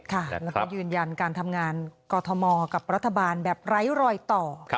แล้วก็ยืนยันการทำงานกอทมกับรัฐบาลแบบไร้รอยต่อ